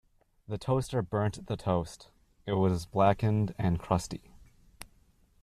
The toaster burnt the toast, it was blackened and crusty.